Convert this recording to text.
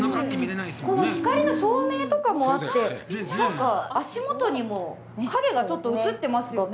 この光の照明とかもあって、なんか足元にも影がちょっと映ってますよね。